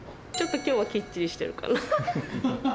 きょうはきっちりしてるかな。